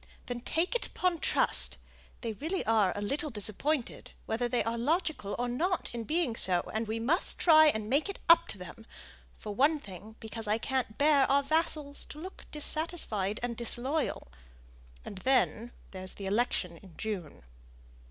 "Then take it upon trust. They really are a little disappointed, whether they are logical or not in being so, and we must try and make it up to them; for one thing, because I can't bear our vassals to look dissatisfied and disloyal, and then there's the election in June."